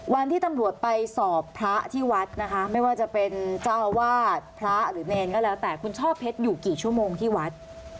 วันที่ตำรวจไปสอบพระที่วัดนะคะไม่ว่าจะเป็นเจ้าอาวาสพระหรือเนรก็แล้วแต่คุณช่อเพชรอยู่กี่ชั่วโมงที่วัด